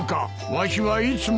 わしはいつも。